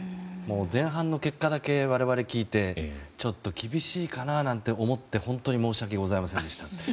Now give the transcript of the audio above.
前半の結果だけ我々聞いてちょっと厳しいかななんて思って申し訳ございませんでした。